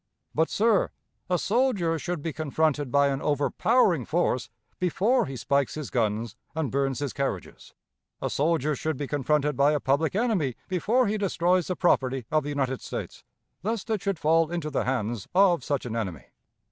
But, sir, a soldier should be confronted by an overpowering force before he spikes his guns and burns his carriages. A soldier should be confronted by a public enemy before he destroys the property of the United States lest it should fall into the hands of such an enemy.